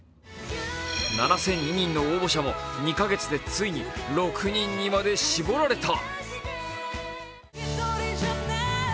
７００２人の応募者も２か月でついに６人に絞られた。